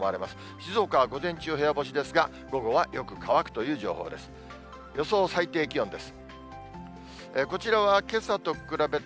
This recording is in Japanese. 静岡は午前中部屋干しですが、午後はよく乾くという情報です。